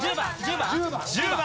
１０番！